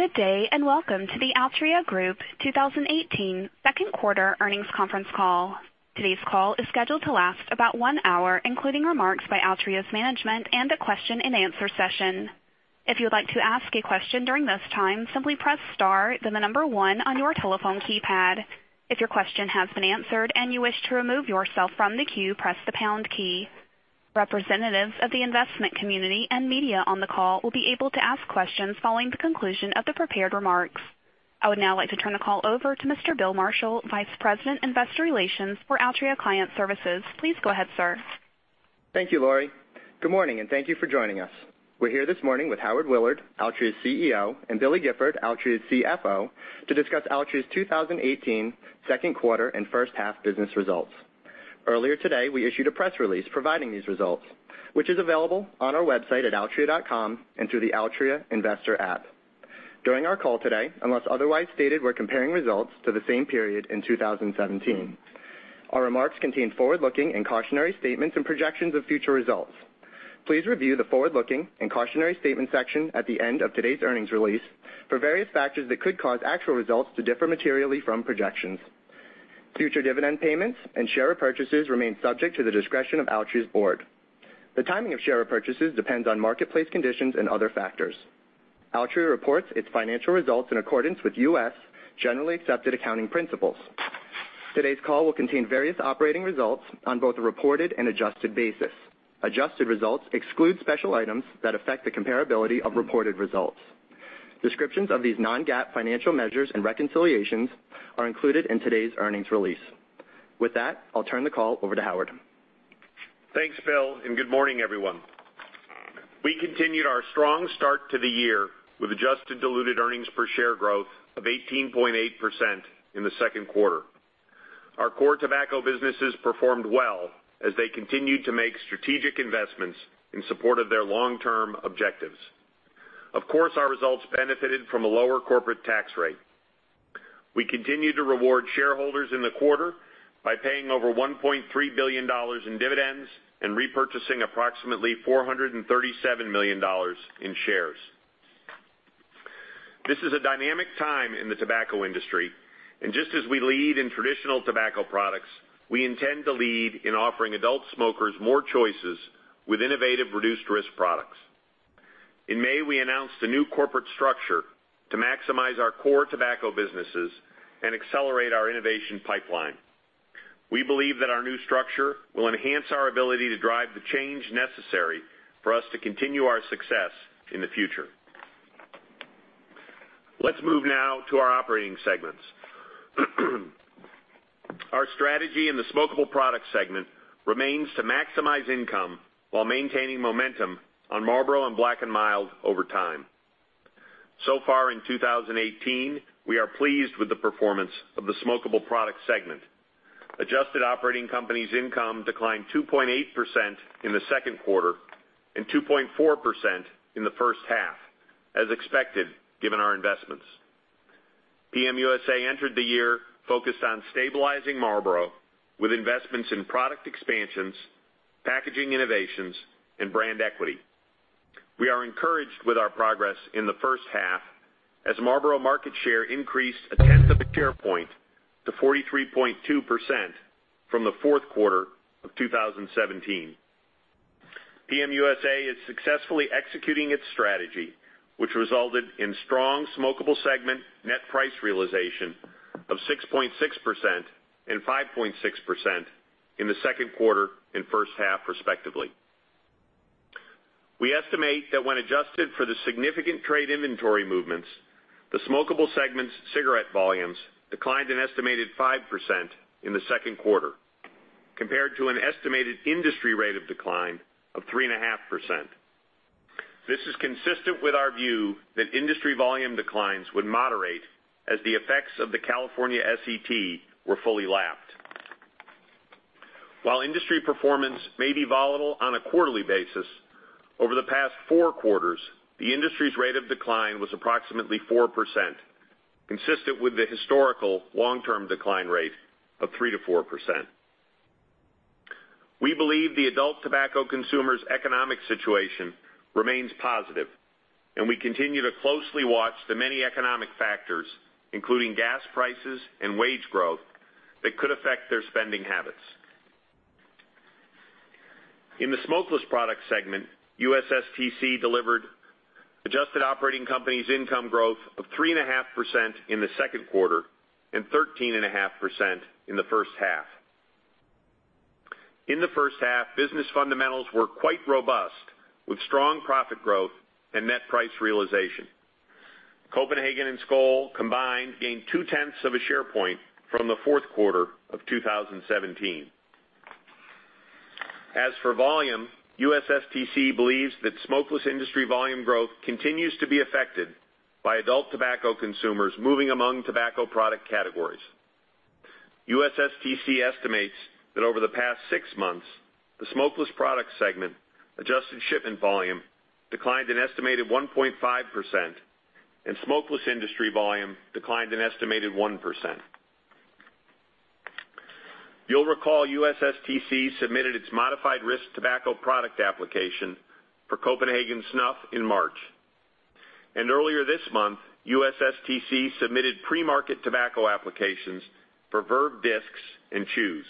Good day, and welcome to the Altria Group 2018 second quarter earnings conference call. Today's call is scheduled to last about one hour, including remarks by Altria's management and a question and answer session. If you'd like to ask a question during this time, simply press star, then the number one on your telephone keypad. If your question has been answered and you wish to remove yourself from the queue, press the pound key. Representatives of the investment community and media on the call will be able to ask questions following the conclusion of the prepared remarks. I would now like to turn the call over to Mr. Bill Marshall, Vice President, Investor Relations for Altria Client Services. Please go ahead, sir. Thank you, Lori. Good morning, and thank you for joining us. We're here this morning with Howard Willard, Altria's CEO, and Billy Gifford, Altria's CFO, to discuss Altria's 2018 second quarter and first half business results. Earlier today, we issued a press release providing these results, which is available on our website at altria.com and through the Altria investor app. During our call today, unless otherwise stated, we're comparing results to the same period in 2017. Our remarks contain forward-looking and cautionary statements and projections of future results. Please review the forward-looking and cautionary statements section at the end of today's earnings release for various factors that could cause actual results to differ materially from projections. Future dividend payments and share purchases remain subject to the discretion of Altria's board. The timing of share purchases depends on marketplace conditions and other factors. Altria reports its financial results in accordance with U.S. generally accepted accounting principles. Today's call will contain various operating results on both a reported and adjusted basis. Adjusted results exclude special items that affect the comparability of reported results. Descriptions of these non-GAAP financial measures and reconciliations are included in today's earnings release. With that, I'll turn the call over to Howard. Thanks, Bill, and good morning, everyone. We continued our strong start to the year with adjusted diluted earnings per share growth of 18.8% in the second quarter. Our core tobacco businesses performed well as they continued to make strategic investments in support of their long-term objectives. Of course, our results benefited from a lower corporate tax rate. We continued to reward shareholders in the quarter by paying over $1.3 billion in dividends and repurchasing approximately $437 million in shares. This is a dynamic time in the tobacco industry, and just as we lead in traditional tobacco products, we intend to lead in offering adult smokers more choices with innovative reduced risk products. In May, we announced a new corporate structure to maximize our core tobacco businesses and accelerate our innovation pipeline. We believe that our new structure will enhance our ability to drive the change necessary for us to continue our success in the future. Let's move now to our operating segments. Our strategy in the smokable product segment remains to maximize income while maintaining momentum on Marlboro and Black & Mild over time. So far in 2018, we are pleased with the performance of the smokable product segment. Adjusted operating company's income declined 2.8% in the second quarter and 2.4% in the first half, as expected, given our investments. PM USA entered the year focused on stabilizing Marlboro with investments in product expansions, packaging innovations, and brand equity. We are encouraged with our progress in the first half as Marlboro market share increased a tenth of a share point to 43.2% from the fourth quarter of 2017. PM USA is successfully executing its strategy, which resulted in strong smokable segment net price realization of 6.6% and 5.6% in the second quarter and first half respectively. We estimate that when adjusted for the significant trade inventory movements, the smokable segment's cigarette volumes declined an estimated 5% in the second quarter compared to an estimated industry rate of decline of 3.5%. This is consistent with our view that industry volume declines would moderate as the effects of the California SET were fully lapped. While industry performance may be volatile on a quarterly basis, over the past four quarters, the industry's rate of decline was approximately 4%, consistent with the historical long-term decline rate of 3%-4%. We believe the adult tobacco consumer's economic situation remains positive, and we continue to closely watch the many economic factors, including gas prices and wage growth, that could affect their spending habits. In the smokeless product segment, USSTC delivered adjusted operating companies income growth of 3.5% in the second quarter and 13.5% in the first half. In the first half, business fundamentals were quite robust with strong profit growth and net price realization. Copenhagen and Skoal combined gained two-tenths of a share point from the fourth quarter of 2017. As for volume, USSTC believes that smokeless industry volume growth continues to be affected by adult tobacco consumers moving among tobacco product categories. USSTC estimates that over the past six months, the smokeless product segment adjusted shipment volume declined an estimated 1.5%, and smokeless industry volume declined an estimated 1%. You'll recall USSTC submitted its modified risk tobacco product application for Copenhagen Snuff in March. Earlier this month, USSTC submitted Premarket tobacco applications for Verve discs and chews,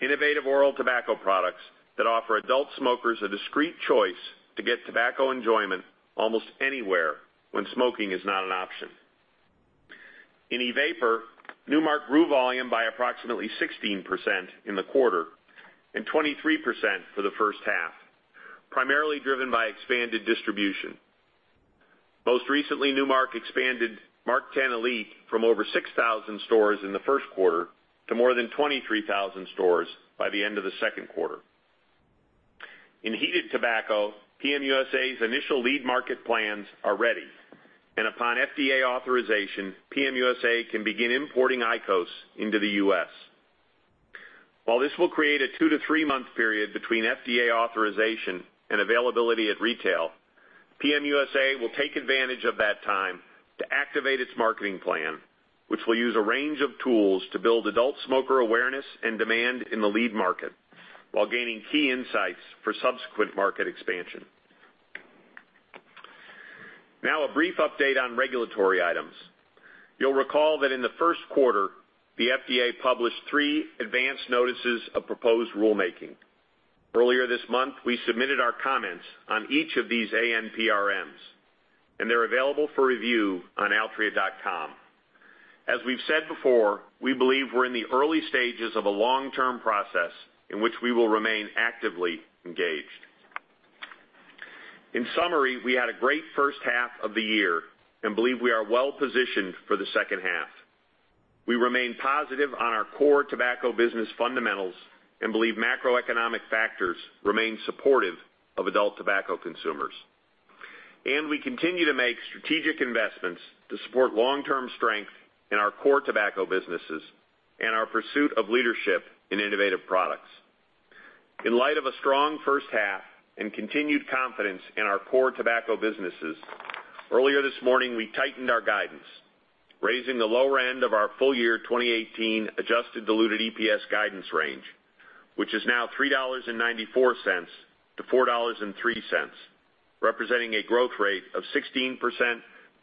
innovative oral tobacco products that offer adult smokers a discreet choice to get tobacco enjoyment almost anywhere when smoking is not an option. In e-vapor, Nu Mark grew volume by approximately 16% in the quarter and 23% for the first half, primarily driven by expanded distribution. Most recently, Nu Mark expanded MarkTen Elite from over 6,000 stores in the first quarter to more than 23,000 stores by the end of the second quarter. In heated tobacco, PM USA's initial lead market plans are ready, and upon FDA authorization, PM USA can begin importing IQOS into the U.S. While this will create a two to three-month period between FDA authorization and availability at retail, PM USA will take advantage of that time to activate its marketing plan, which will use a range of tools to build adult smoker awareness and demand in the lead market, while gaining key insights for subsequent market expansion. A brief update on regulatory items. You'll recall that in the first quarter, the FDA published three advanced notices of proposed rulemaking. Earlier this month, we submitted our comments on each of these ANPRMs, and they're available for review on altria.com. As we've said before, we believe we're in the early stages of a long-term process in which we will remain actively engaged. In summary, we had a great first half of the year and believe we are well-positioned for the second half. We remain positive on our core tobacco business fundamentals and believe macroeconomic factors remain supportive of adult tobacco consumers. We continue to make strategic investments to support long-term strength in our core tobacco businesses and our pursuit of leadership in innovative products. In light of a strong first half and continued confidence in our core tobacco businesses, earlier this morning, we tightened our guidance, raising the lower end of our full year 2018 adjusted diluted EPS guidance range, which is now $3.94 to $4.03, representing a growth rate of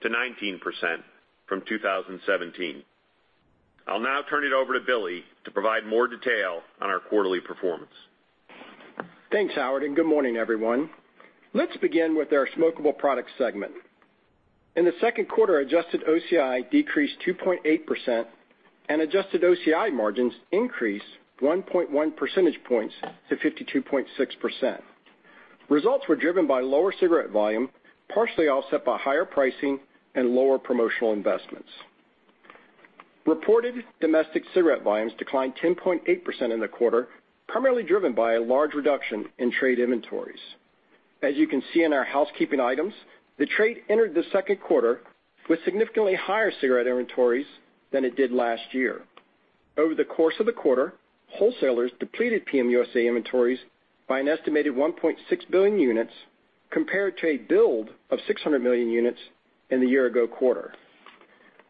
16%-19% from 2017. I'll now turn it over to Billy to provide more detail on our quarterly performance. Thanks, Howard, and good morning, everyone. Let's begin with our smokable product segment. In the second quarter, adjusted OCI decreased 2.8% and adjusted OCI margins increased 1.1 percentage points to 52.6%. Results were driven by lower cigarette volume, partially offset by higher pricing and lower promotional investments. Reported domestic cigarette volumes declined 10.8% in the quarter, primarily driven by a large reduction in trade inventories. As you can see in our housekeeping items, the trade entered the second quarter with significantly higher cigarette inventories than it did last year. Over the course of the quarter, wholesalers depleted PM USA inventories by an estimated 1.6 billion units compared to a build of 600 million units in the year-ago quarter.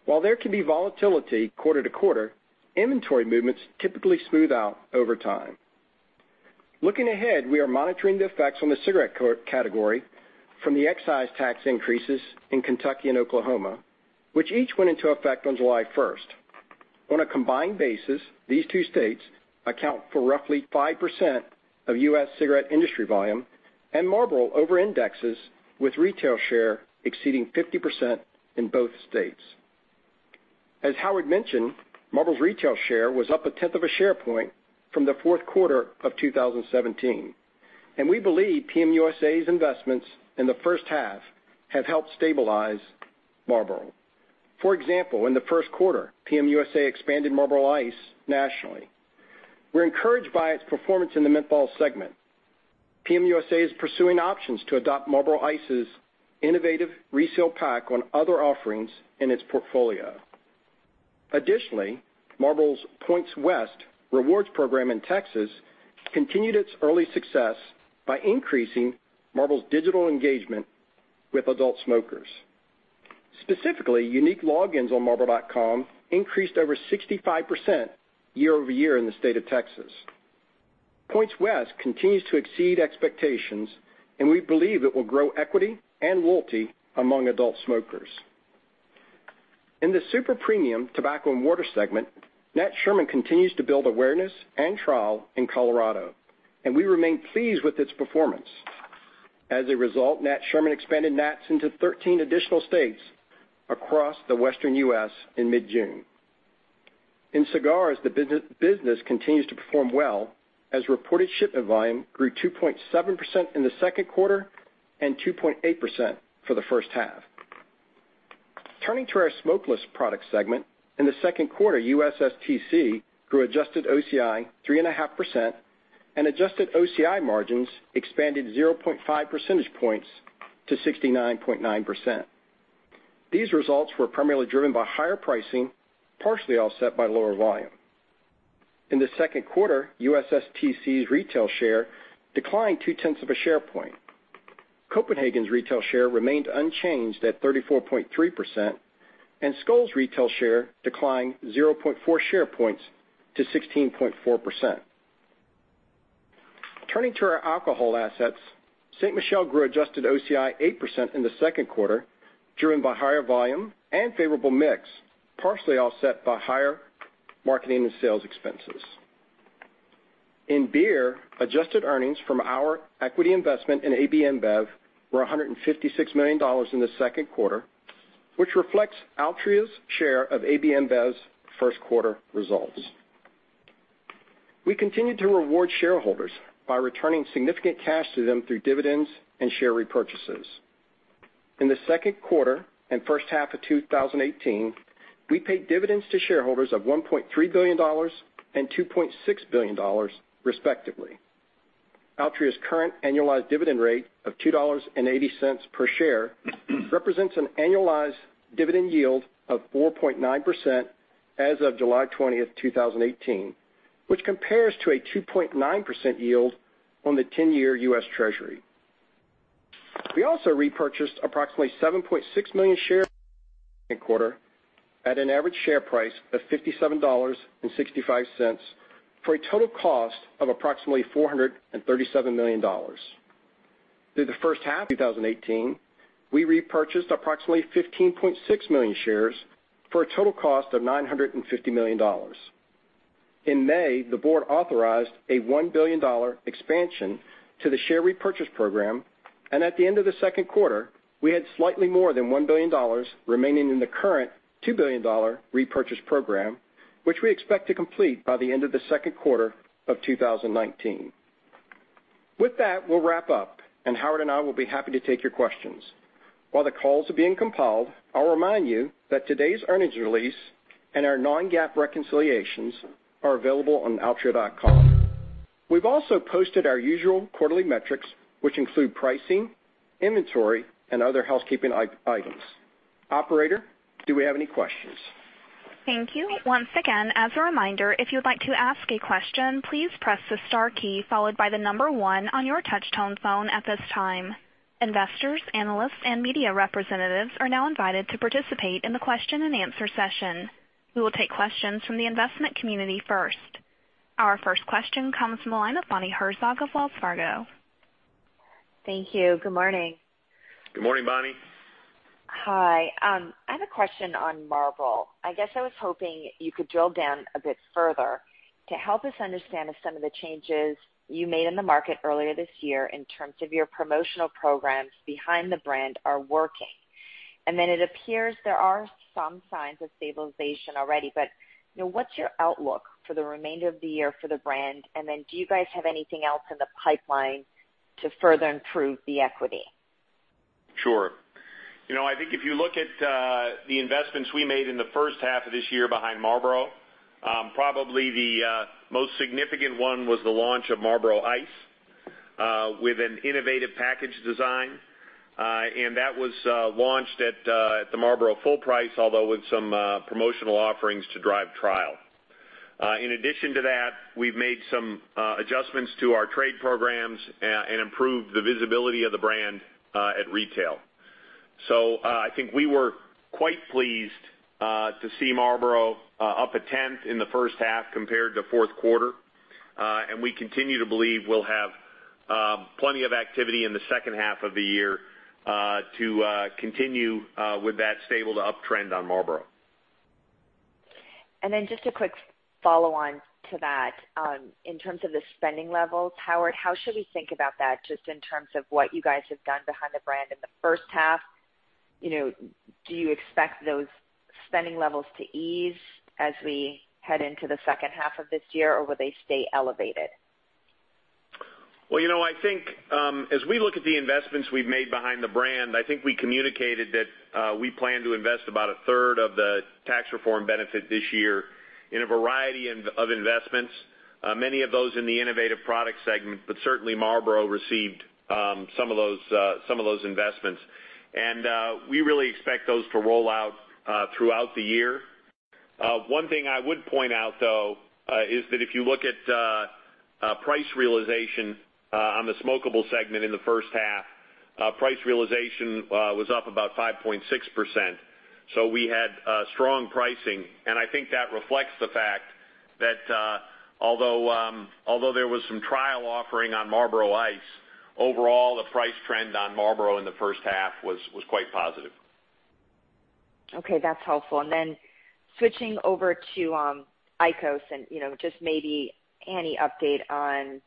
While there can be volatility quarter to quarter, inventory movements typically smooth out over time. Looking ahead, we are monitoring the effects on the cigarette category from the excise tax increases in Kentucky and Oklahoma, which each went into effect on July 1st. On a combined basis, these two states account for roughly 5% of U.S. cigarette industry volume, and Marlboro over-indexes, with retail share exceeding 50% in both states. As Howard mentioned, Marlboro's retail share was up a tenth of a share point from the fourth quarter of 2017, and we believe PM USA's investments in the first half have helped stabilize Marlboro. For example, in the first quarter, PM USA expanded Marlboro Ice nationally. We're encouraged by its performance in the menthol segment. PM USA is pursuing options to adopt Marlboro Ice's innovative resale pack on other offerings in its portfolio. Additionally, Marlboro's Points West rewards program in Texas continued its early success by increasing Marlboro's digital engagement with adult smokers. Specifically, unique logins on marlboro.com increased over 65% year-over-year in the state of Texas. Points West continues to exceed expectations, and we believe it will grow equity and loyalty among adult smokers. In the super-premium tobacco and water segment, Nat Sherman continues to build awareness and trial in Colorado, and we remain pleased with its performance. As a result, Nat Sherman expanded Nat's into 13 additional states across the Western U.S. in mid-June. In cigars, the business continues to perform well, as reported shipment volume grew 2.7% in the second quarter and 2.8% for the first half. Turning to our smokeless products segment. In the second quarter, USSTC grew adjusted OCI 3.5% and adjusted OCI margins expanded 0.5 percentage points to 69.9%. These results were primarily driven by higher pricing, partially offset by lower volume. In the second quarter, USSTC's retail share declined two tenths of a share point. Copenhagen's retail share remained unchanged at 34.3%, and Skoal's retail share declined 0.4 share points to 16.4%. Turning to our alcohol assets, Ste. Michelle grew adjusted OCI 8% in the second quarter, driven by higher volume and favorable mix, partially offset by higher marketing and sales expenses. In beer, adjusted earnings from our equity investment in AB InBev were $156 million in the second quarter, which reflects Altria's share of AB InBev's first quarter results. We continue to reward shareholders by returning significant cash to them through dividends and share repurchases. In the second quarter and first half of 2018, we paid dividends to shareholders of $1.3 billion and $2.6 billion, respectively. Altria's current annualized dividend rate of $2.80 per share represents an annualized dividend yield of 4.9% as of July 20, 2018, which compares to a 2.9% yield on the 10-year U.S. Treasury. We also repurchased approximately 7.6 million shares second quarter at an average share price of $57.65, for a total cost of approximately $437 million. Through the first half of 2018, we repurchased approximately 15.6 million shares for a total cost of $950 million. In May, the board authorized a $1 billion expansion to the share repurchase program. At the end of the second quarter, we had slightly more than $1 billion remaining in the current $2 billion repurchase program, which we expect to complete by the end of the second quarter of 2019. With that, we'll wrap up, and Howard and I will be happy to take your questions. While the calls are being compiled, I'll remind you that today's earnings release and our non-GAAP reconciliations are available on altria.com. We've also posted our usual quarterly metrics, which include pricing, inventory, and other housekeeping items. Operator, do we have any questions? Thank you. Once again, as a reminder, if you'd like to ask a question, please press the star key followed by the number one on your touch-tone phone at this time. Investors, analysts, and media representatives are now invited to participate in the question and answer session. We will take questions from the investment community first. Our first question comes from the line of Bonnie Herzog of Wells Fargo. Thank you. Good morning. Good morning, Bonnie. Hi. I have a question on Marlboro. I was hoping you could drill down a bit further to help us understand if some of the changes you made in the market earlier this year in terms of your promotional programs behind the brand are working. It appears there are some signs of stabilization already, but what's your outlook for the remainder of the year for the brand? Do you guys have anything else in the pipeline to further improve the equity? Sure. I think if you look at the investments we made in the first half of this year behind Marlboro, probably the most significant one was the launch of Marlboro Ice with an innovative package design. That was launched at the Marlboro full price, although with some promotional offerings to drive trial. In addition to that, we've made some adjustments to our trade programs and improved the visibility of the brand at retail. I think we were quite pleased to see Marlboro up a tenth in the first half compared to fourth quarter. We continue to believe we'll have plenty of activity in the second half of the year to continue with that stable to uptrend on Marlboro. Just a quick follow-on to that. In terms of the spending levels, Howard, how should we think about that, just in terms of what you guys have done behind the brand in the first half? Do you expect those spending levels to ease as we head into the second half of this year, or will they stay elevated? As we look at the investments we've made behind the brand, I think we communicated that we plan to invest about a third of the tax reform benefit this year in a variety of investments, many of those in the innovative product segment, but certainly Marlboro received some of those investments. We really expect those to roll out throughout the year. One thing I would point out, though, is that if you look at price realization on the smokable segment in the first half, price realization was up about 5.6%. We had strong pricing, and I think that reflects the fact that although there was some trial offering on Marlboro Ice, overall, the price trend on Marlboro in the first half was quite positive. Okay. That's helpful. Switching over to IQOS and just maybe any update on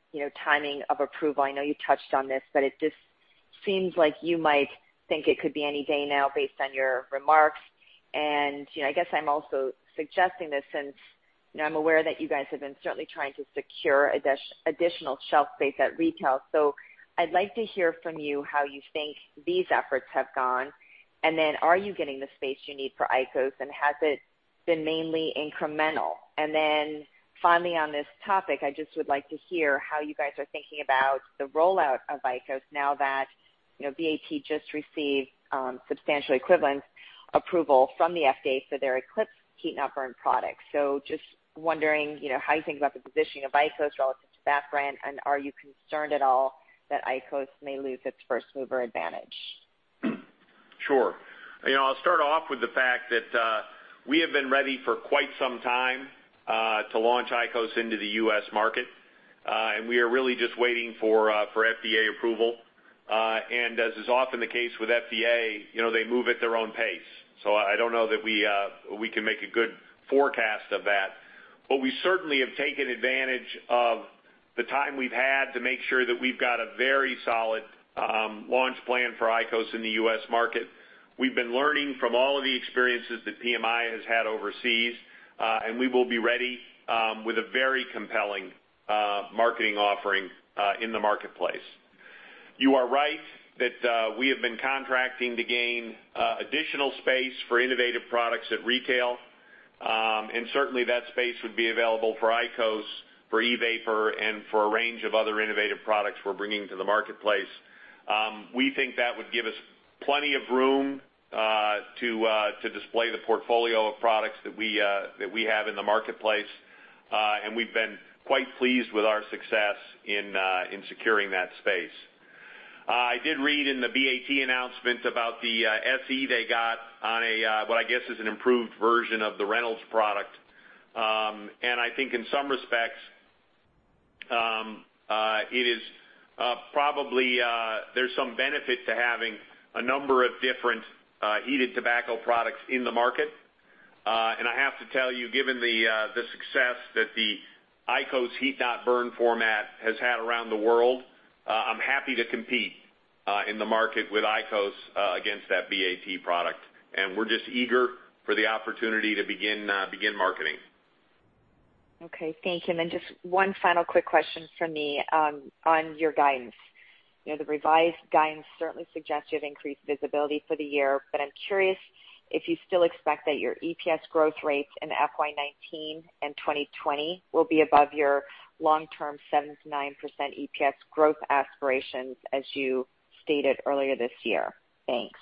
timing of approval. I know you touched on this, but it just seems like you might think it could be any day now based on your remarks. I'm also suggesting this since I'm aware that you guys have been certainly trying to secure additional shelf space at retail. I'd like to hear from you how you think these efforts have gone. Are you getting the space you need for IQOS, and has it been mainly incremental? Finally on this topic, I just would like to hear how you guys are thinking about the rollout of IQOS now that BAT just received substantial equivalent approval from the FDA for their Eclipse heat-not-burn product. Just wondering how you think about the positioning of IQOS relative to that brand, and are you concerned at all that IQOS may lose its first-mover advantage? Sure. I'll start off with the fact that we have been ready for quite some time to launch IQOS into the U.S. market, and we are really just waiting for FDA approval. As is often the case with FDA, they move at their own pace. I don't know that we can make a good forecast of that. We certainly have taken advantage of the time we've had to make sure that we've got a very solid launch plan for IQOS in the U.S. market. We've been learning from all of the experiences that PMI has had overseas, and we will be ready with a very compelling marketing offering in the marketplace. You are right that we have been contracting to gain additional space for innovative products at retail. Certainly that space would be available for IQOS, for e-vapor, and for a range of other innovative products we're bringing to the marketplace. We think that would give us plenty of room to display the portfolio of products that we have in the marketplace. We've been quite pleased with our success in securing that space. I did read in the BAT announcement about the SE they got on a, what I guess is an improved version of the Reynolds product. I think in some respects, probably there's some benefit to having a number of different heated tobacco products in the market. I have to tell you, given the success that the IQOS heat-not-burn format has had around the world, I'm happy to compete in the market with IQOS against that BAT product. We're just eager for the opportunity to begin marketing. Okay, thank you. Just one final quick question from me on your guidance. The revised guidance certainly suggested increased visibility for the year, but I'm curious if you still expect that your EPS growth rates in FY 2019 and 2020 will be above your long-term seven to 9% EPS growth aspirations as you stated earlier this year. Thanks.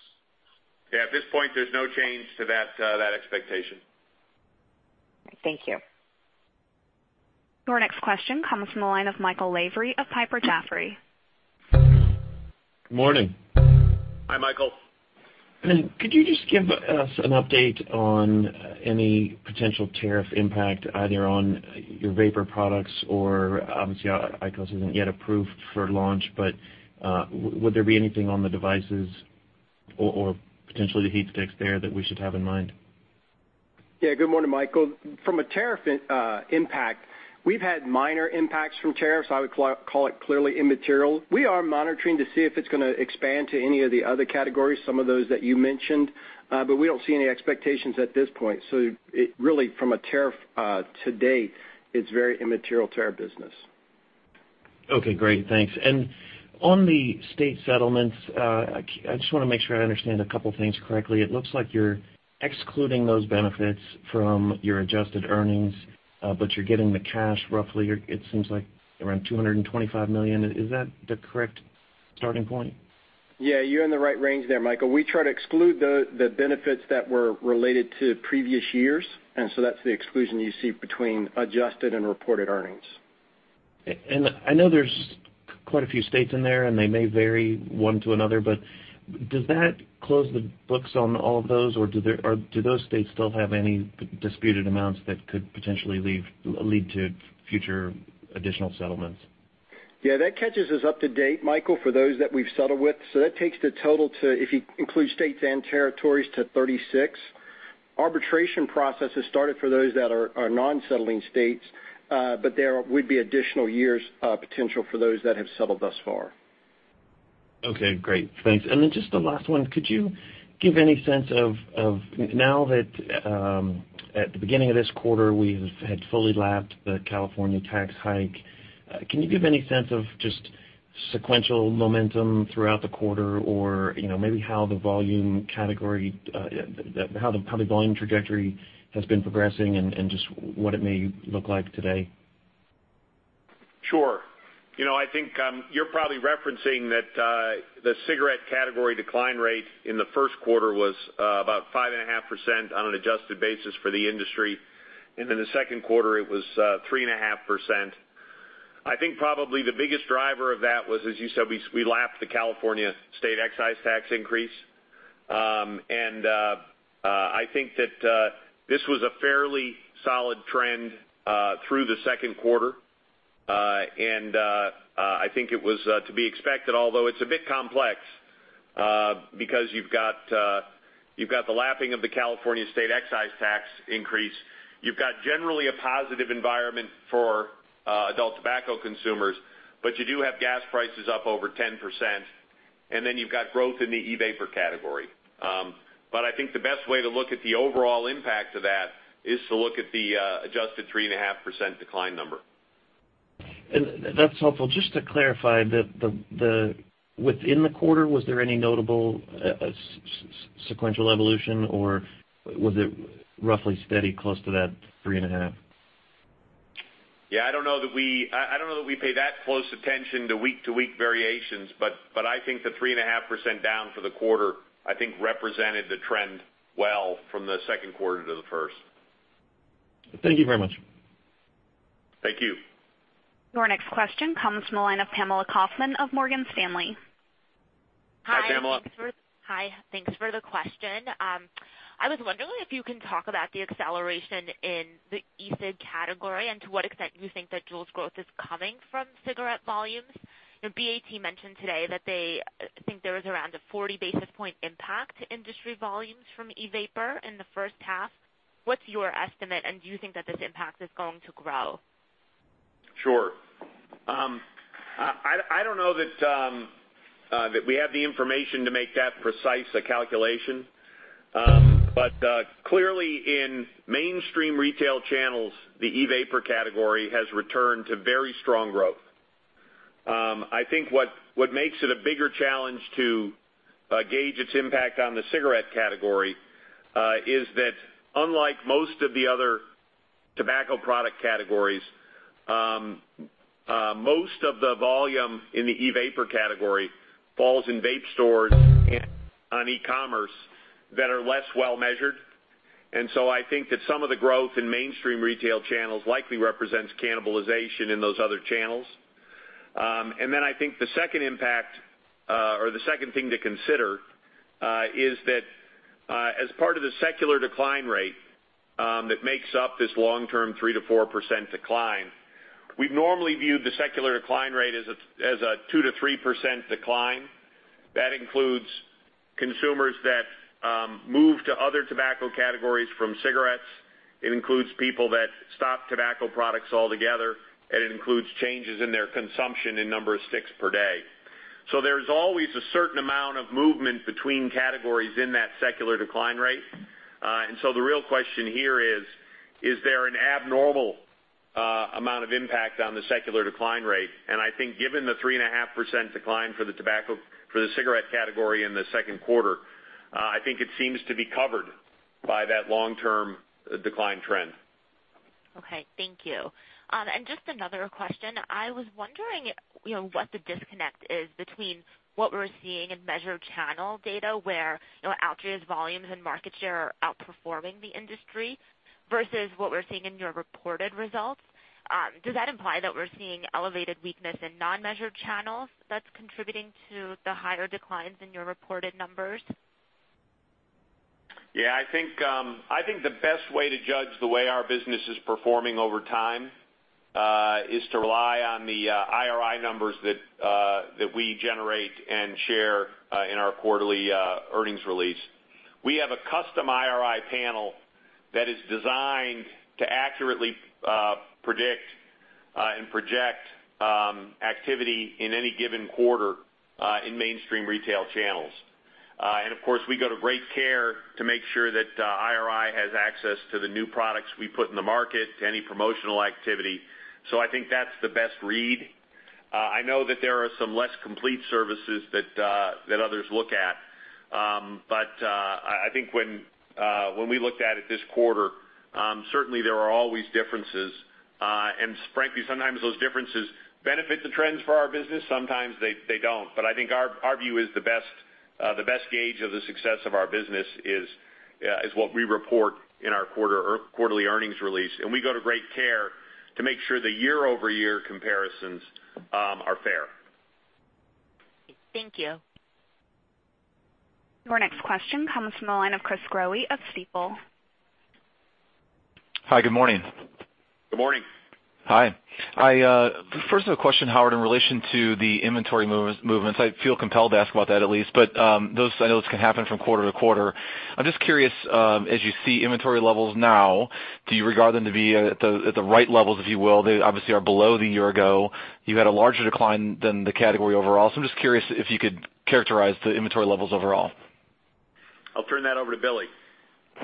Yeah. At this point, there's no change to that expectation. Thank you. Your next question comes from the line of Michael Lavery of Piper Jaffray. Morning. Hi, Michael. Could you just give us an update on any potential tariff impact, either on your vapor products or obviously IQOS isn't yet approved for launch, but would there be anything on the devices or potentially the HeatSticks there that we should have in mind? Yeah. Good morning, Michael. From a tariff impact, we've had minor impacts from tariffs. I would call it clearly immaterial. We are monitoring to see if it's going to expand to any of the other categories, some of those that you mentioned. We don't see any expectations at this point. Really from a tariff to date, it's very immaterial to our business. Okay, great. Thanks. On the state settlements, I just want to make sure I understand a couple things correctly. It looks like you're excluding those benefits from your adjusted earnings, but you're getting the cash roughly, it seems like around $225 million. Is that the correct starting point? Yeah, you're in the right range there, Michael. We try to exclude the benefits that were related to previous years, that's the exclusion you see between adjusted and reported earnings. I know there's quite a few states in there, they may vary one to another, does that close the books on all of those, or do those states still have any disputed amounts that could potentially lead to future additional settlements? That catches us up to date, Michael, for those that we've settled with. That takes the total to, if you include states and territories, to 36. Arbitration process has started for those that are non-settling states. There would be additional years potential for those that have settled thus far. Okay, great. Thanks. Just the last one, could you give any sense of now that at the beginning of this quarter, we had fully lapped the California state excise tax, can you give any sense of just sequential momentum throughout the quarter or maybe how the volume category, the volume trajectory has been progressing and just what it may look like today? Sure. I think you're probably referencing that the cigarette category decline rate in the first quarter was about 5.5% on an adjusted basis for the industry. In the second quarter, it was 3.5%. I think probably the biggest driver of that was, as you said, we lapped the California state excise tax increase. I think that this was a fairly solid trend through the second quarter. I think it was to be expected, although it's a bit complex because you've got the lapping of the California state excise tax increase. You've got generally a positive environment for adult tobacco consumers. You do have gas prices up over 10%, you've got growth in the e-vapor category. I think the best way to look at the overall impact of that is to look at the adjusted 3.5% decline number. That's helpful. Just to clarify, within the quarter, was there any notable sequential evolution, or was it roughly steady close to that 3.5%? Yeah, I don't know that we pay that close attention to week-to-week variations, I think the 3.5% down for the quarter, I think represented the trend well from the second quarter to the first. Thank you very much. Thank you. Your next question comes from the line of Pamela Kaufman of Morgan Stanley. Hi, Pamela. Hi. Thanks for the question. I was wondering if you can talk about the acceleration in the e-cig category and to what extent you think that JUUL's growth is coming from cigarette volumes. BAT mentioned today that they think there was around a 40 basis point impact to industry volumes from e-vapor in the first half. What's your estimate, and do you think that this impact is going to grow? Sure. I don't know that we have the information to make that precise a calculation. Clearly in mainstream retail channels, the e-vapor category has returned to very strong growth. I think what makes it a bigger challenge to gauge its impact on the cigarette category is that unlike most of the other tobacco product categories, most of the volume in the e-vapor category falls in vape stores on e-commerce that are less well measured. I think that some of the growth in mainstream retail channels likely represents cannibalization in those other channels. I think the second impact, or the second thing to consider, is that as part of the secular decline rate that makes up this long-term 3%-4% decline, we've normally viewed the secular decline rate as a 2%-3% decline. That includes consumers that move to other tobacco categories from cigarettes. It includes people that stop tobacco products altogether, and it includes changes in their consumption in number of sticks per day. There's always a certain amount of movement between categories in that secular decline rate. The real question here is there an abnormal amount of impact on the secular decline rate? I think given the 3.5% decline for the cigarette category in the second quarter, I think it seems to be covered by that long-term decline trend. Okay. Thank you. Just another question. I was wondering what the disconnect is between what we're seeing in measured channel data where Altria's volumes and market share are outperforming the industry versus what we're seeing in your reported results. Does that imply that we're seeing elevated weakness in non-measured channels that's contributing to the higher declines in your reported numbers? Yeah, I think the best way to judge the way our business is performing over time is to rely on the IRI numbers that we generate and share in our quarterly earnings release. We have a custom IRI panel that is designed to accurately predict and project activity in any given quarter in mainstream retail channels. Of course, we go to great care to make sure that IRI has access to the new products we put in the market to any promotional activity. I think that's the best read. I know that there are some less complete services that others look at. I think when we looked at it this quarter, certainly there are always differences. Frankly, sometimes those differences benefit the trends for our business, sometimes they don't. I think our view is the best gauge of the success of our business is what we report in our quarterly earnings release. We go to great care to make sure the year-over-year comparisons are fair. Thank you. Your next question comes from the line of Chris Growe of Stifel. Hi, good morning. Good morning. Hi. First, a question, Howard, in relation to the inventory movements. I feel compelled to ask about that at least, but those I know can happen from quarter to quarter. I'm just curious, as you see inventory levels now, do you regard them to be at the right levels, if you will? They obviously are below the year ago. You had a larger decline than the category overall. I'm just curious if you could characterize the inventory levels overall. I'll turn that over to Billy.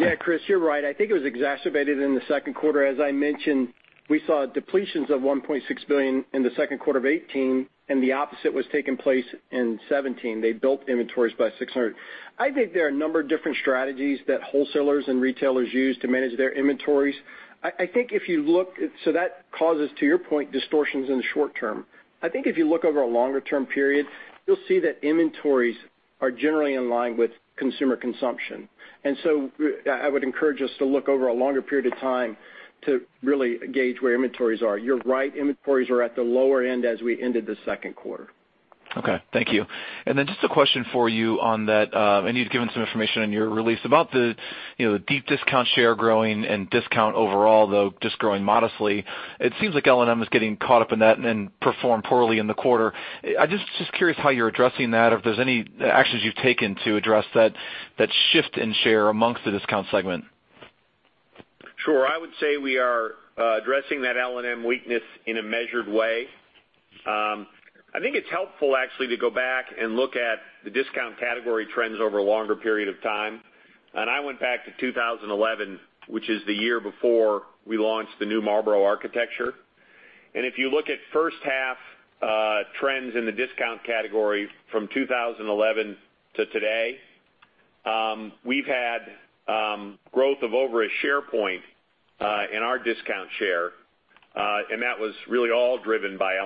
Yeah, Chris, you're right. I think it was exacerbated in the second quarter. As I mentioned, we saw depletions of $1.6 billion in the second quarter of 2018, and the opposite was taking place in 2017. They built inventories by $600 million. I think there are a number of different strategies that wholesalers and retailers use to manage their inventories. That causes, to your point, distortions in the short term. I think if you look over a longer term period, you'll see that inventories are generally in line with consumer consumption. I would encourage us to look over a longer period of time to really gauge where inventories are. You're right, inventories are at the lower end as we ended the second quarter. Okay, thank you. Just a question for you on that. I know you've given some information in your release about the deep discount share growing and discount overall, though just growing modestly. It seems like L&M is getting caught up in that and then performed poorly in the quarter. I'm just curious how you're addressing that or if there's any actions you've taken to address that shift in share amongst the discount segment. Sure. I would say we are addressing that L&M weakness in a measured way. I think it's helpful actually to go back and look at the discount category trends over a longer period of time. I went back to 2011, which is the year before we launched the new Marlboro architecture. If you look at first half trends in the discount category from 2011 to today, we've had growth of over a share point in our discount share, that was really all driven by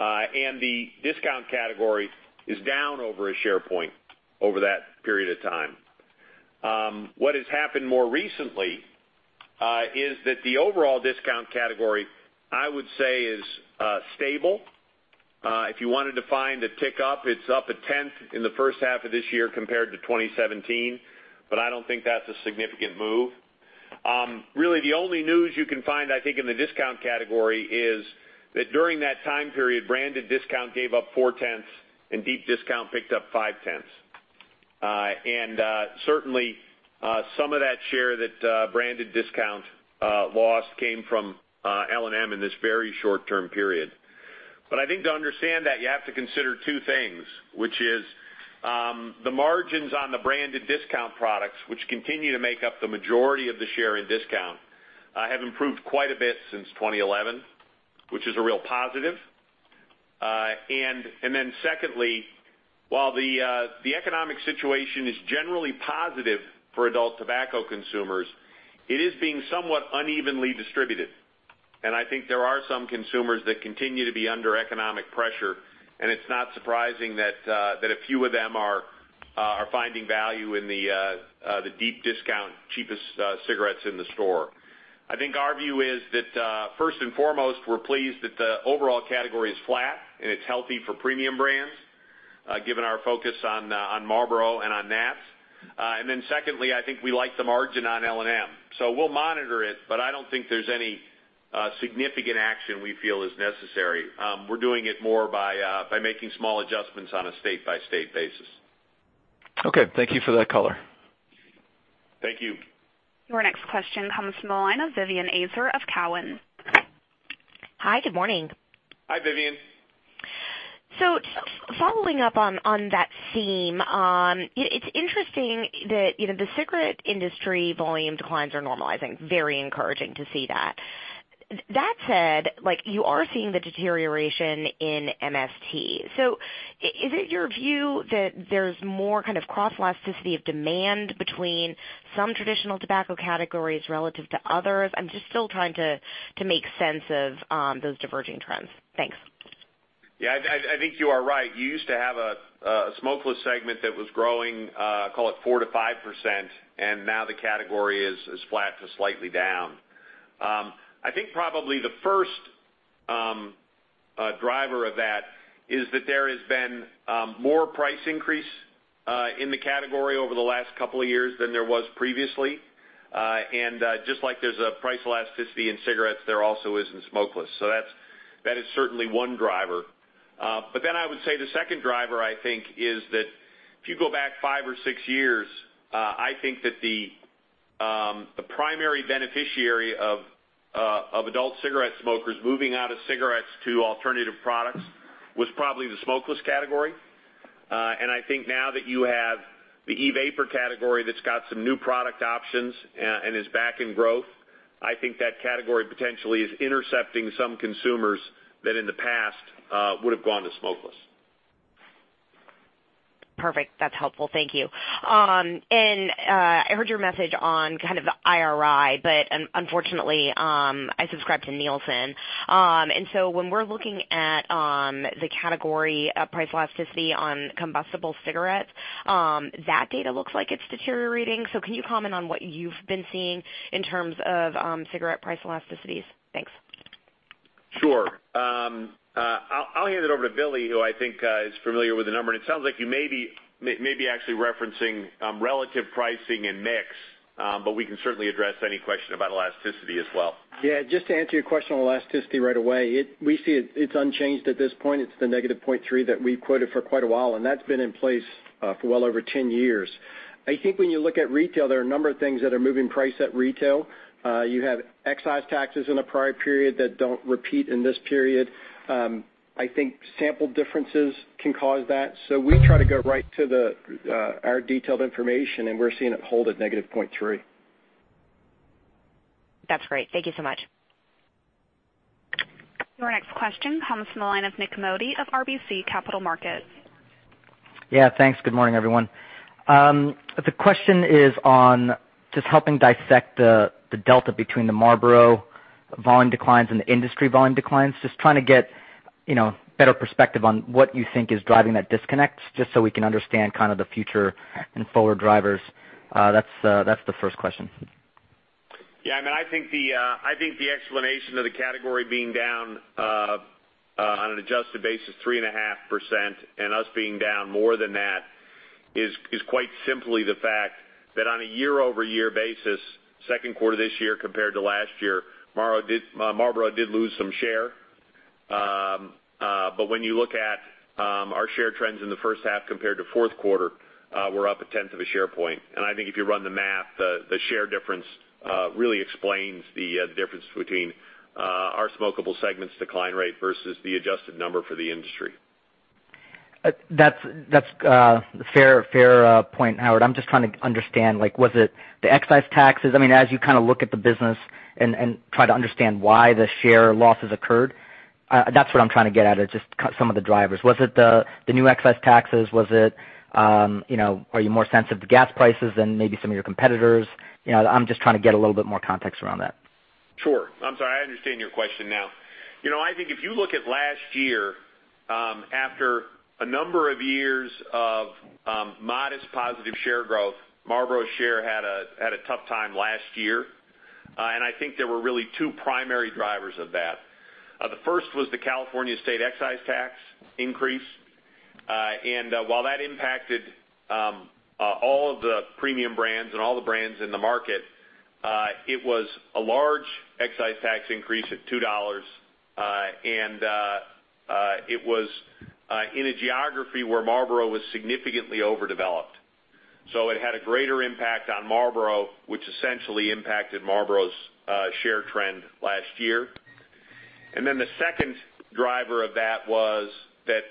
L&M The discount category is down over a share point over that period of time. What has happened more recently is that the overall discount category, I would say, is stable. If you wanted to find a tick up, it's up a tenth in the first half of this year compared to 2017, I don't think that's a significant move. Really, the only news you can find, I think, in the discount category is that during that time period, branded discount gave up four-tenths, deep discount picked up five-tenths. Certainly, some of that share that branded discount loss came from L&M in this very short-term period. I think to understand that, you have to consider two things, which is the margins on the branded discount products, which continue to make up the majority of the share in discount, have improved quite a bit since 2011, which is a real positive. Secondly, while the economic situation is generally positive for adult tobacco consumers, it is being somewhat unevenly distributed. I think there are some consumers that continue to be under economic pressure, it's not surprising that a few of them are finding value in the deep discount cheapest cigarettes in the store. I think our view is that, first and foremost, we're pleased that the overall category is flat and it's healthy for premium brands, given our focus on Marlboro and on Nat's. Secondly, I think we like the margin on L&M. We'll monitor it, I don't think there's any significant action we feel is necessary. We're doing it more by making small adjustments on a state-by-state basis. Okay. Thank you for that color. Thank you. Your next question comes from the line of Vivien Azer of Cowen. Hi, good morning. Hi, Vivien. Following up on that theme. It's interesting that the cigarette industry volume declines are normalizing. Very encouraging to see that. That said, you are seeing the deterioration in MST. Is it your view that there's more kind of cross-elasticity of demand between some traditional tobacco categories relative to others? I'm just still trying to make sense of those diverging trends. Thanks. I think you are right. You used to have a smokeless segment that was growing, call it 4% to 5%, and now the category is flat to slightly down. I think probably the first driver of that is that there has been more price increase in the category over the last couple of years than there was previously. Just like there's a price elasticity in cigarettes, there also is in smokeless. That is certainly one driver. I would say the second driver, I think, is that if you go back five or six years, I think that the primary beneficiary of adult cigarette smokers moving out of cigarettes to alternative products was probably the smokeless category. I think now that you have the e-vapor category that's got some new product options and is back in growth, I think that category potentially is intercepting some consumers that in the past would've gone to smokeless. Perfect. That's helpful. Thank you. I heard your message on kind of the IRI, but unfortunately, I subscribe to Nielsen. When we're looking at the category price elasticity on combustible cigarettes, that data looks like it's deteriorating. Can you comment on what you've been seeing in terms of cigarette price elasticities? Thanks. Sure. I'll hand it over to Billy, who I think is familiar with the number, and it sounds like you may be actually referencing relative pricing and mix, but we can certainly address any question about elasticity as well. Yeah, just to answer your question on elasticity right away, we see it's unchanged at this point. It's the negative 0.3 that we've quoted for quite a while, and that's been in place for well over 10 years. I think when you look at retail, there are a number of things that are moving price at retail. You have excise taxes in a prior period that don't repeat in this period. I think sample differences can cause that. We try to go right to our detailed information, and we're seeing it hold at negative 0.3. That's great. Thank you so much. Your next question comes from the line of Nik Modi of RBC Capital Markets. Yeah, thanks. Good morning, everyone. The question is on just helping dissect the delta between the Marlboro volume declines and the industry volume declines. Trying to get better perspective on what you think is driving that disconnect, just so we can understand kind of the future and forward drivers. That's the first question. Yeah, I think the explanation of the category being down on an adjusted basis 3.5% and us being down more than that is quite simply the fact that on a year-over-year basis, second quarter this year compared to last year, Marlboro did lose some share. When you look at our share trends in the first half compared to fourth quarter, we're up a tenth of a share point. I think if you run the math, the share difference really explains the difference between our smokable segment's decline rate versus the adjusted number for the industry. That's a fair point, Howard. Trying to understand, was it the excise taxes? As you look at the business and try to understand why the share losses occurred, that's what I'm trying to get at, is just some of the drivers. Was it the new excise taxes? Are you more sensitive to gas prices than maybe some of your competitors? Trying to get a little bit more context around that. Sure. I'm sorry. I understand your question now. I think if you look at last year, after a number of years of modest positive share growth, Marlboro share had a tough time last year. I think there were really two primary drivers of that. The first was the California state excise tax increase. While that impacted all of the premium brands and all the brands in the market, it was a large excise tax increase at $2. It was in a geography where Marlboro was significantly overdeveloped. It had a greater impact on Marlboro, which essentially impacted Marlboro's share trend last year. The second driver of that was that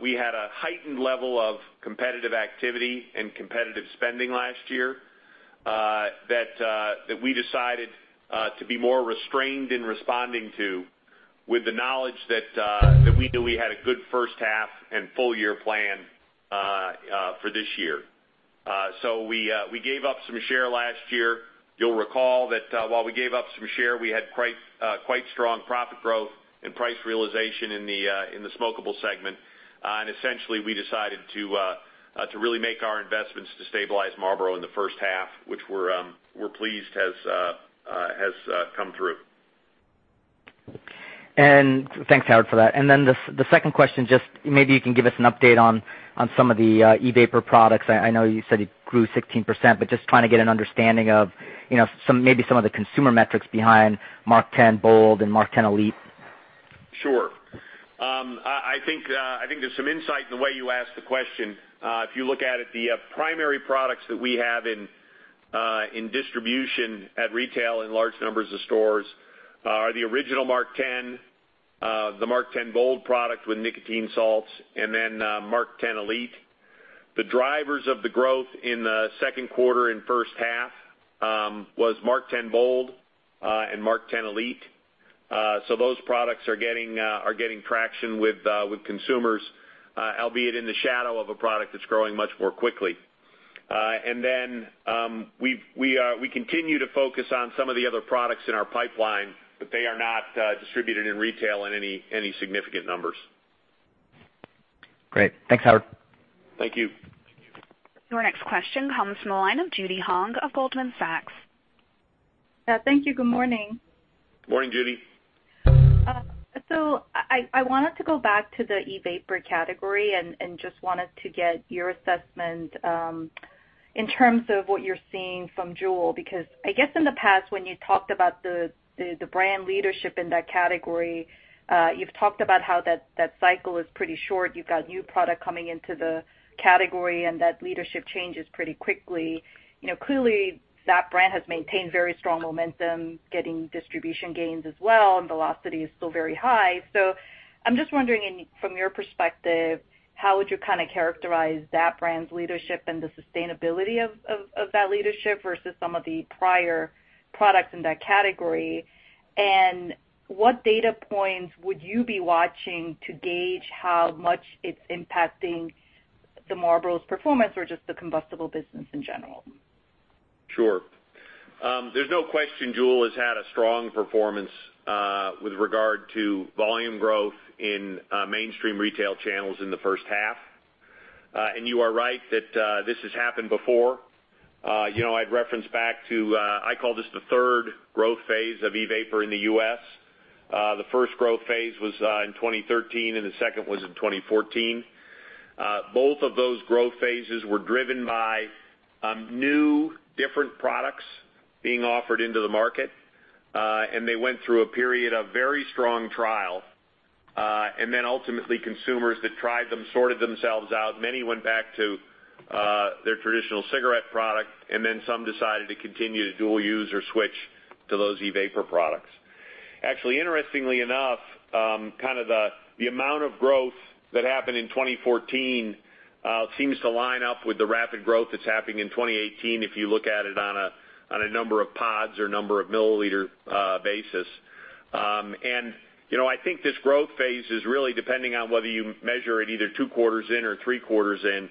we had a heightened level of competitive activity and competitive spending last year, that we decided to be more restrained in responding to with the knowledge that we knew we had a good first half and full year plan for this year. We gave up some share last year. You'll recall that while we gave up some share, we had quite strong profit growth and price realization in the smokable segment. Essentially, we decided to really make our investments to stabilize Marlboro in the first half, which we're pleased has come through. Thanks, Howard, for that. The second question, just maybe you can give us an update on some of the e-vapor products. I know you said it grew 16%, but just trying to get an understanding of maybe some of the consumer metrics behind MarkTen Bold and MarkTen Elite. Sure. I think there's some insight in the way you asked the question. If you look at it, the primary products that we have in distribution at retail in large numbers of stores are the original MarkTen, the MarkTen Bold product with nicotine salts, and then MarkTen Elite. The drivers of the growth in the second quarter and first half was MarkTen Bold and MarkTen Elite. We continue to focus on some of the other products in our pipeline, but they are not distributed in retail in any significant numbers. Great. Thanks, Howard. Thank you. Your next question comes from the line of Judy Hong of Goldman Sachs. Thank you. Good morning. Good morning, Judy. I wanted to go back to the e-vapor category and just wanted to get your assessment in terms of what you're seeing from JUUL. I guess in the past when you talked about the brand leadership in that category, you've talked about how that cycle is pretty short. You've got new product coming into the category and that leadership changes pretty quickly. Clearly, that brand has maintained very strong momentum, getting distribution gains as well, and velocity is still very high. I'm just wondering from your perspective, how would you characterize that brand's leadership and the sustainability of that leadership versus some of the prior products in that category? What data points would you be watching to gauge how much it's impacting the Marlboro's performance or just the combustible business in general? Sure. There's no question JUUL has had a strong performance with regard to volume growth in mainstream retail channels in the first half. You are right that this has happened before. I'd reference back to, I call this the third growth phase of e-vapor in the U.S. The first growth phase was in 2013, the second was in 2014. Both of those growth phases were driven by new, different products being offered into the market. They went through a period of very strong trial. Then ultimately, consumers that tried them sorted themselves out. Many went back to their traditional cigarette product, then some decided to continue to dual use or switch to those e-vapor products. Actually, interestingly enough, the amount of growth that happened in 2014 seems to line up with the rapid growth that's happening in 2018, if you look at it on a number of pods or number of milliliter basis. I think this growth phase is really depending on whether you measure it either two quarters in or three quarters in.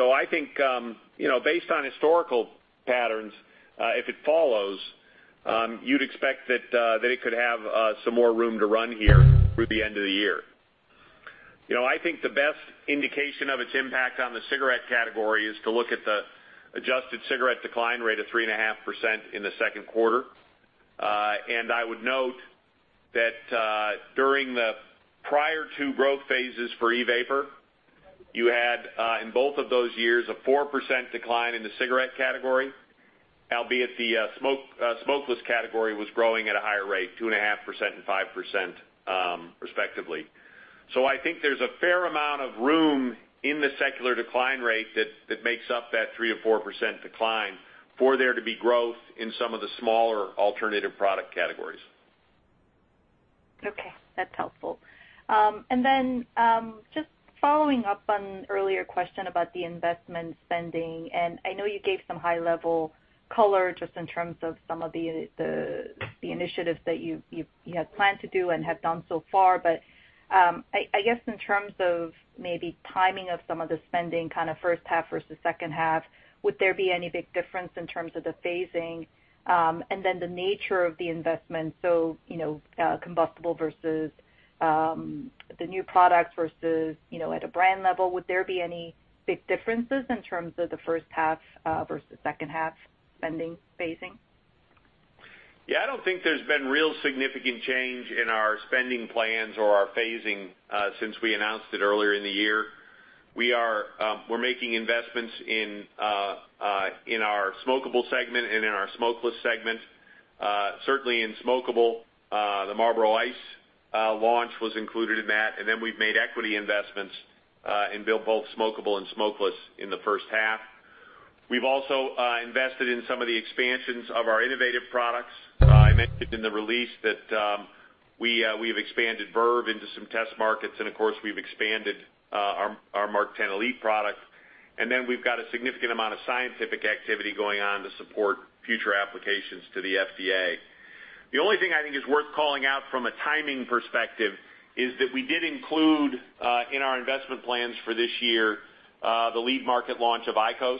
I think based on historical patterns, if it follows, you'd expect that it could have some more room to run here through the end of the year. I think the best indication of its impact on the cigarette category is to look at the adjusted cigarette decline rate of 3.5% in the second quarter. I would note that during the prior two growth phases for e-vapor, you had in both of those years, a 4% decline in the cigarette category, albeit the smokeless category was growing at a higher rate, 2.5% and 5% respectively. I think there's a fair amount of room in the secular decline rate that makes up that 3%-4% decline for there to be growth in some of the smaller alternative product categories. Okay. That's helpful. Following up on earlier question about the investment spending, I know you gave some high-level color just in terms of some of the initiatives that you plan to do and have done so far. I guess in terms of maybe timing of some of the spending first half versus second half, would there be any big difference in terms of the phasing, and then the nature of the investment, so combustible versus the new products versus at a brand level, would there be any big differences in terms of the first half versus second half spending phasing? I don't think there's been real significant change in our spending plans or our phasing since we announced it earlier in the year. We're making investments in our smokable segment and in our smokeless segment. Certainly in smokable, the Marlboro Ice launch was included in that, and we've made equity investments in both smokable and smokeless in the first half. We've also invested in some of the expansions of our innovative products. I mentioned in the release that we've expanded Vuse into some test markets, and of course, we've expanded our MarkTen Elite product. We've got a significant amount of scientific activity going on to support future applications to the FDA. The only thing I think is worth calling out from a timing perspective is that we did include in our investment plans for this year the lead market launch of IQOS.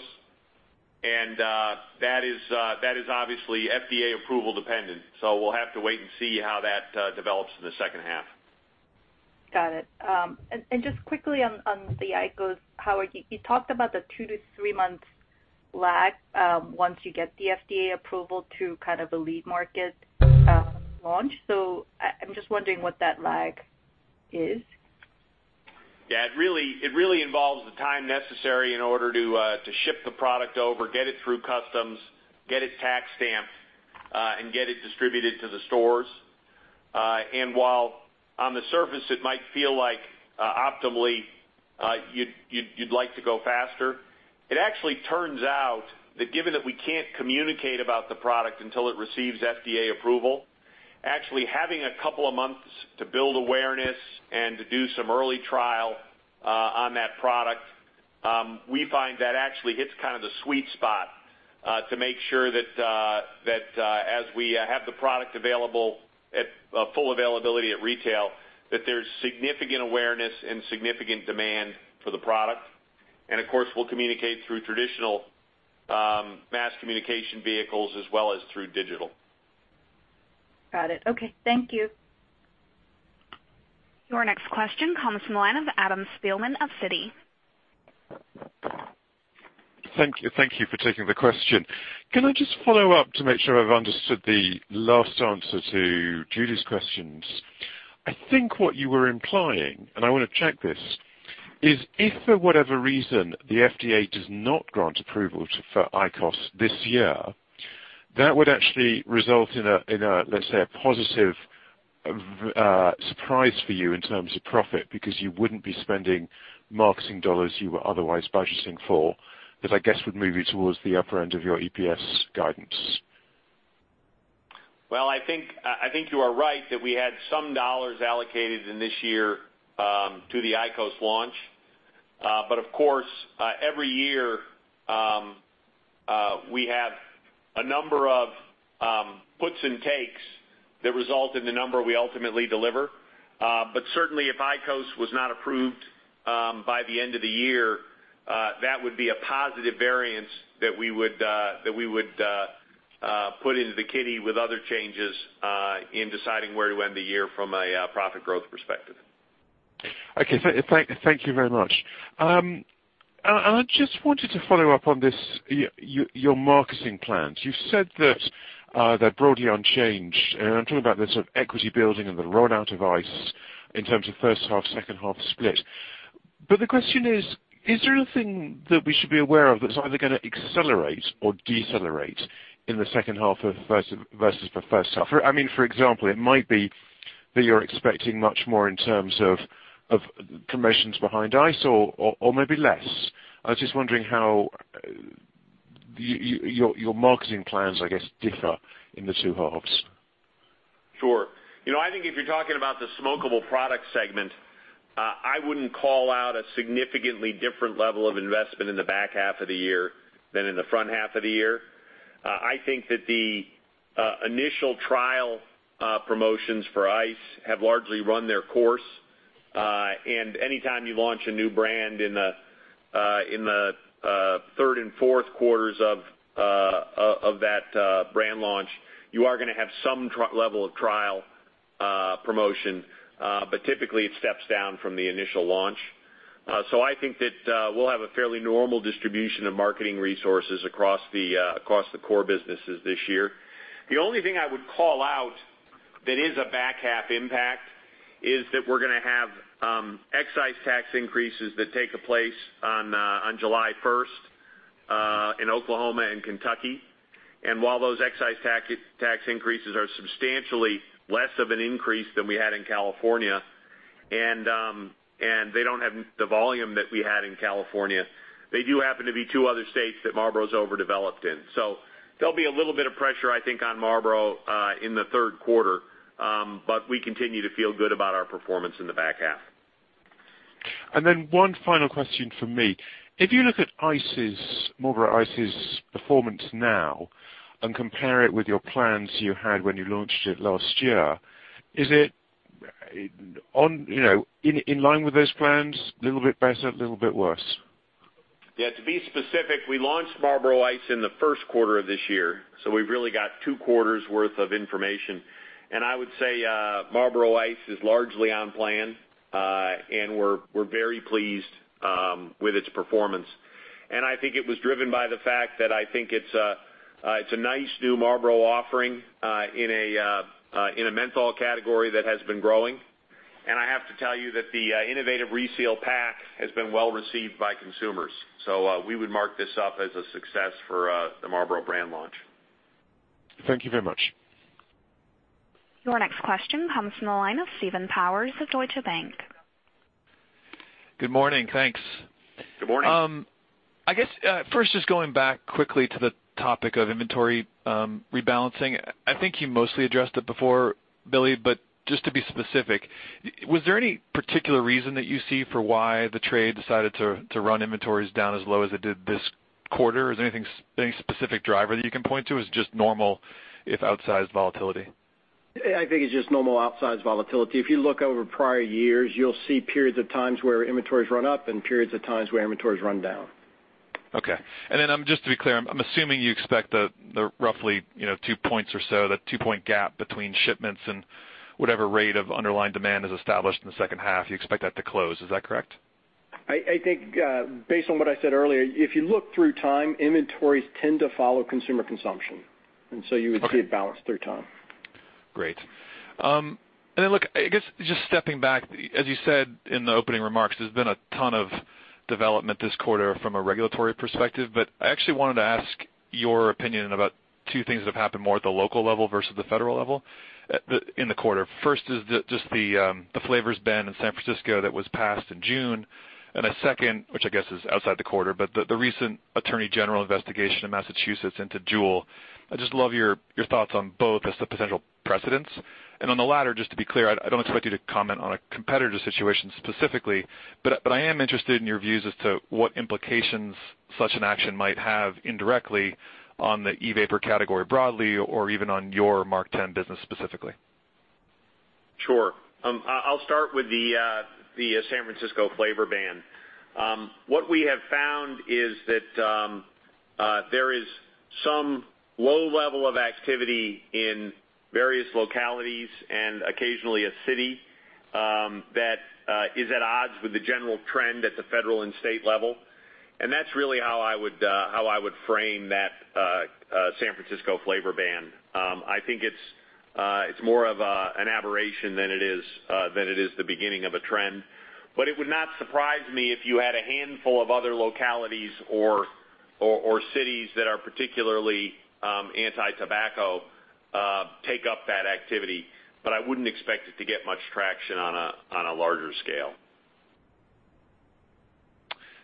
That is obviously FDA approval dependent. We'll have to wait and see how that develops in the second half. Got it. Just quickly on the IQOS, Howard, you talked about the 2 to 3 months lag once you get the FDA approval to kind of a lead market launch. I'm just wondering what that lag is. Yeah, it really involves the time necessary in order to ship the product over, get it through customs, get it tax stamped, and get it distributed to the stores. While on the surface it might feel like optimally, you'd like to go faster, it actually turns out that given that we can't communicate about the product until it receives FDA approval, actually having a couple of months to build awareness and to do some early trial on that product, we find that actually hits kind of the sweet spot, to make sure that as we have the product available at full availability at retail, that there's significant awareness and significant demand for the product. Of course, we'll communicate through traditional mass communication vehicles as well as through digital. Got it. Okay. Thank you. Your next question comes from the line of Adam Spielman of Citi. Thank you for taking the question. Can I just follow up to make sure I've understood the last answer to Judy's questions? I think what you were implying, and I want to check this, is if for whatever reason the FDA does not grant approval for IQOS this year, that would actually result in a, let's say, a positive surprise for you in terms of profit, because you wouldn't be spending marketing dollars you were otherwise budgeting for. That I guess, would move you towards the upper end of your EPS guidance. I think you are right that we had some dollars allocated in this year to the IQOS launch. Of course, every year, we have a number of puts and takes that result in the number we ultimately deliver. Certainly if IQOS was not approved by the end of the year, that would be a positive variance that we would put into the kitty with other changes in deciding where to end the year from a profit growth perspective. Thank you very much. I just wanted to follow up on your marketing plans. You've said that they're broadly unchanged, and I'm talking about the sort of equity building and the rollout of Ice in terms of first half, second half split. The question is there anything that we should be aware of that's either gonna accelerate or decelerate in the second half versus the first half? For example, it might be that you're expecting much more in terms of promotions behind Ice or maybe less. I was just wondering how your marketing plans, I guess, differ in the two halves. I think if you're talking about the smokable product segment, I wouldn't call out a significantly different level of investment in the back half of the year than in the front half of the year. I think that the initial trial promotions for Ice have largely run their course. Anytime you launch a new brand in the third and fourth quarters of that brand launch, you are gonna have some level of trial promotion. Typically, it steps down from the initial launch. I think that we'll have a fairly normal distribution of marketing resources across the core businesses this year. The only thing I would call out that is a back half impact is that we're gonna have excise tax increases that take place on July 1st in Oklahoma and Kentucky. While those excise tax increases are substantially less of an increase than we had in California, and they don't have the volume that we had in California, they do happen to be two other states that Marlboro's overdeveloped in. There'll be a little bit of pressure, I think, on Marlboro in the third quarter, but we continue to feel good about our performance in the back half. One final question from me. If you look at Marlboro Ice's performance now and compare it with your plans you had when you launched it last year, is it in line with those plans? A little bit better, a little bit worse? Yeah. To be specific, we launched Marlboro Ice in the first quarter of this year, we've really got two quarters worth of information. I would say Marlboro Ice is largely on plan, and we're very pleased with its performance. I think it was driven by the fact that I think it's a nice new Marlboro offering in a menthol category that has been growing. I have to tell you that the innovative reseal pack has been well-received by consumers. We would mark this up as a success for the Marlboro brand launch. Thank you very much. Your next question comes from the line of Steve Powers of Deutsche Bank. Good morning. Thanks. Good morning. I guess, first, just going back quickly to the topic of inventory rebalancing. I think you mostly addressed it before, Billy, but just to be specific, was there any particular reason that you see for why the trade decided to run inventories down as low as it did this quarter? Is there any specific driver that you can point to, or is it just normal or outsized volatility? I think it's just normal outsized volatility. If you look over prior years, you'll see periods of times where inventories run up and periods of times where inventories run down. Okay. Just to be clear, I'm assuming you expect the roughly two points or so, the two-point gap between shipments and whatever rate of underlying demand is established in the second half, you expect that to close. Is that correct? I think based on what I said earlier, if you look through time, inventories tend to follow consumer consumption, and so you would see it balance through time. Great. Look, I guess just stepping back, as you said in the opening remarks, there's been a ton of development this quarter from a regulatory perspective, but I actually wanted to ask your opinion about two things that have happened more at the local level versus the federal level in the quarter. First is just the flavors ban in San Francisco that was passed in June. Then second, which I guess is outside the quarter, but the recent attorney general investigation in Massachusetts into JUUL. I'd just love your thoughts on both as the potential precedents. On the latter, just to be clear, I don't expect you to comment on a competitor situation specifically, but I am interested in your views as to what implications such an action might have indirectly on the e-vapor category broadly or even on your MarkTen business specifically. Sure. I'll start with the San Francisco flavor ban. What we have found is that there is some low level of activity in various localities and occasionally a city that is at odds with the general trend at the federal and state level. That's really how I would frame that San Francisco flavor ban. I think it's more of an aberration than it is the beginning of a trend. It would not surprise me if you had a handful of other localities or cities that are particularly anti-tobacco take up that activity, but I wouldn't expect it to get much traction on a larger scale.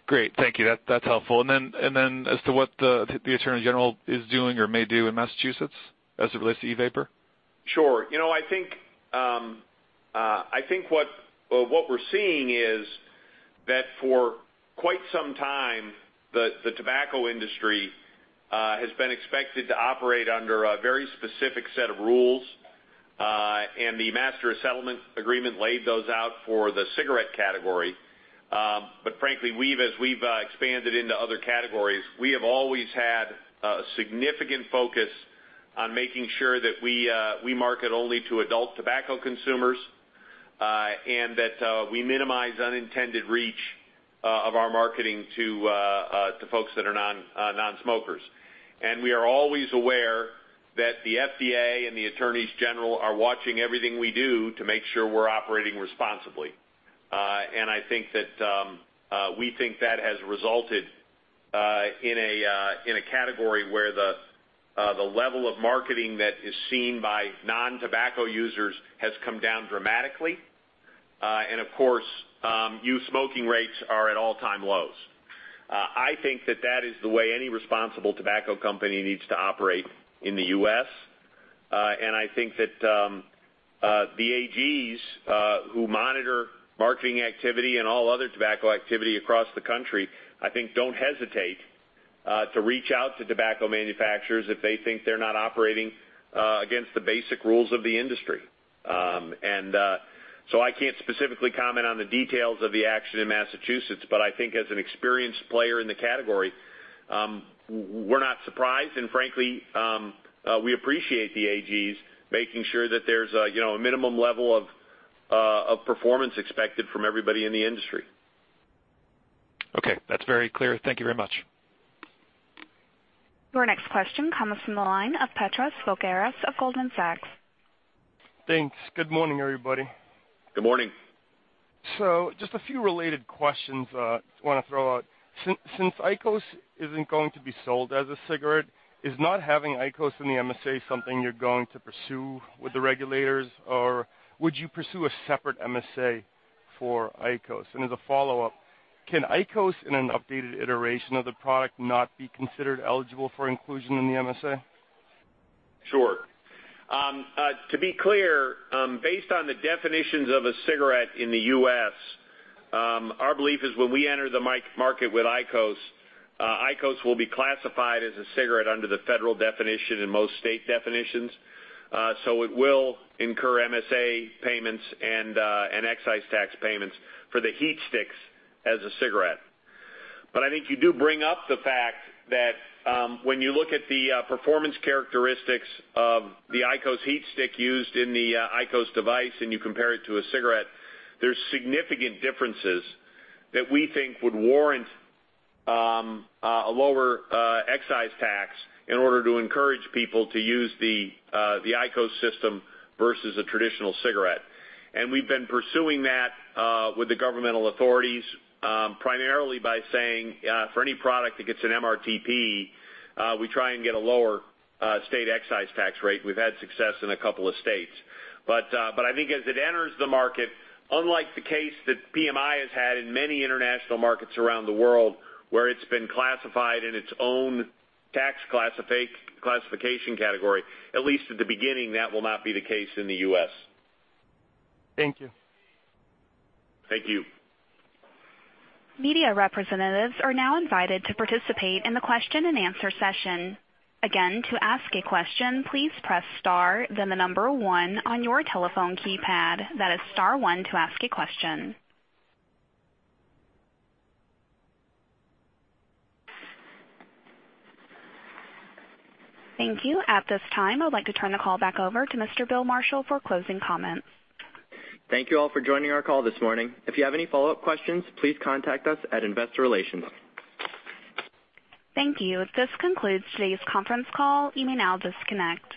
Great. Thank you. That's helpful. Then as to what the attorney general is doing or may do in Massachusetts as it relates to e-vapor? Sure. I think what we're seeing is that for quite some time, the tobacco industry has been expected to operate under a very specific set of rules. The Master Settlement Agreement laid those out for the cigarette category. Frankly, as we've expanded into other categories, we have always had a significant focus on making sure that we market only to adult tobacco consumers and that we minimize unintended reach of our marketing to folks that are non-smokers. We are always aware that the FDA and the attorneys general are watching everything we do to make sure we're operating responsibly. We think that has resulted in a category where the level of marketing that is seen by non-tobacco users has come down dramatically. Of course, youth smoking rates are at all-time lows. I think that that is the way any responsible tobacco company needs to operate in the U.S., I think that the AGs who monitor marketing activity and all other tobacco activity across the country, I think, don't hesitate to reach out to tobacco manufacturers if they think they're not operating against the basic rules of the industry. So I can't specifically comment on the details of the action in Massachusetts, I think as an experienced player in the category, we're not surprised, frankly, we appreciate the AGs making sure that there's a minimum level of performance expected from everybody in the industry. Okay. That's very clear. Thank you very much. Your next question comes from the line of Petros Kouvaris of Goldman Sachs. Thanks. Good morning, everybody. Good morning. Just a few related questions I want to throw out. Since IQOS isn't going to be sold as a cigarette, is not having IQOS in the MSA something you're going to pursue with the regulators, or would you pursue a separate MSA? For IQOS. As a follow-up, can IQOS, in an updated iteration of the product, not be considered eligible for inclusion in the MSA? Sure. To be clear, based on the definitions of a cigarette in the U.S., our belief is when we enter the market with IQOS will be classified as a cigarette under the federal definition in most state definitions. It will incur MSA payments and excise tax payments for the HeatSticks as a cigarette. I think you do bring up the fact that when you look at the performance characteristics of the IQOS HeatStick used in the IQOS device and you compare it to a cigarette, there's significant differences that we think would warrant a lower excise tax in order to encourage people to use the IQOS system versus a traditional cigarette. We've been pursuing that with the governmental authorities, primarily by saying for any product that gets an MRTP, we try and get a lower state excise tax rate. We've had success in a couple of states. I think as it enters the market, unlike the case that PMI has had in many international markets around the world, where it's been classified in its own tax classification category, at least at the beginning, that will not be the case in the U.S. Thank you. Thank you. Media representatives are now invited to participate in the question-and-answer session. Again, to ask a question, please press star then the number one on your telephone keypad. That is star one to ask a question. Thank you. At this time, I would like to turn the call back over to Mr. William Marshall for closing comments. Thank you all for joining our call this morning. If you have any follow-up questions, please contact us at Investor Relations. Thank you. This concludes today's conference call. You may now disconnect.